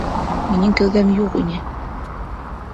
Минең кәүҙәм юҡ ине.